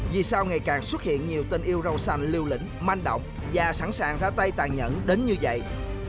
vì sao ngày càng xuất hiện nhiều tình yêu rau xanh liều lĩnh manh động và sẵn sàng ra tay tàn nhẫn đến như vậy